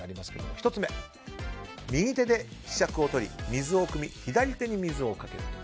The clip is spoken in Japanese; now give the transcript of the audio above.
１つ目、右手でひしゃくをとり水をくみ、左手に水をかける。